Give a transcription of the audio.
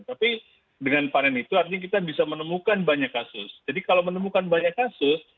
tapi dengan panen itu artinya kita bisa menemukan banyak kasus jadi kalau menemukan banyak kasus